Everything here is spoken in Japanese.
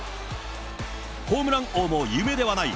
ホームラン王も夢ではない、